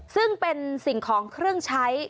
ซึ่งเป็นสิ่งของเครื่องใช้